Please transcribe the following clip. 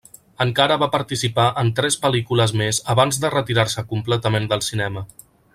Encara va participar en tres pel·lícules més abans de retirar-se completament del cinema.